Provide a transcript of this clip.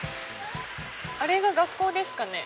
あれが学校ですかね。